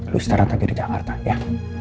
lo istirahat lagi di jakarta ya